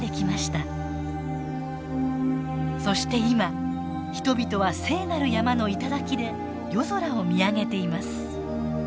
そして今人々は聖なる山の頂で夜空を見上げています。